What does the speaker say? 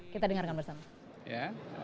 kita dengarkan bersama